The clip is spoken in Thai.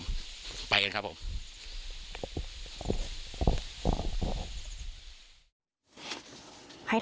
แม่น้องชมพู่